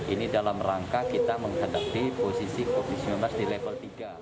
ini dalam rangka kita menghadapi posisi covid sembilan belas di level tiga